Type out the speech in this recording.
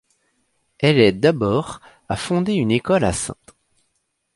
Elle aide d'abord à fonder une école à St.